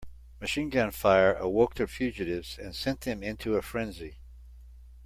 Machine gun fire awoke the fugitives and sent them into a frenzy.